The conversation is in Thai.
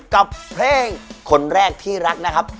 กับเพลงคนแรกที่รักนะครับ